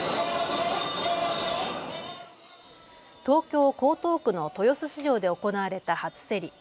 東京江東区の豊洲市場で行われた初競り。